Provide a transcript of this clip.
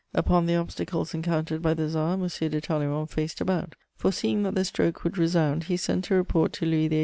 Upon the obstacles encountered by the Tsar, M. de Talleyrand faced about: foreseeing that the stroke would resound, he sent a report to Louis XVIII.